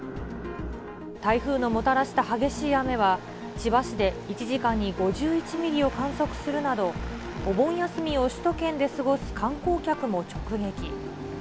台風のもたらした激しい雨は、千葉市で１時間に５１ミリを観測するなど、お盆休みを首都圏で過ごす観光客も直撃。